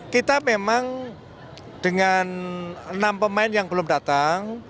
kita memang dengan enam pemain yang belum datang